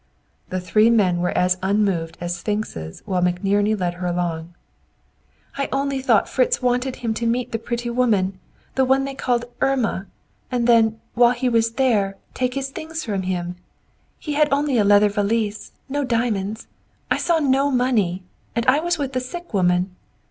The three men were as unmoved as sphinxes while McNerney led her along. "I only thought Fritz wanted him to meet the pretty woman, the one they called Irma, and then, while he was there, take his things from him. He had only a leather valise; no diamonds. I saw no money, and I was with the sick woman.